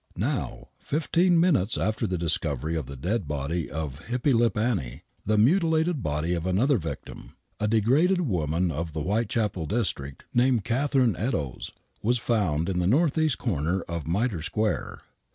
Now, fifteen minutes after the discovery of the dead body of " Hippy Lip Annie " the mutilated body of another victim — a degraded woman of the Whitechapel district, named Catharine Eddowes — was found in the north west corner of Mitre Square.